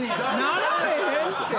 なられへんって。